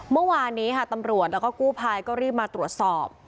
เมื่อวานนี้ค่ะตำรวจแล้วก็กู้ภัยก็รีบมาตรวจสอบ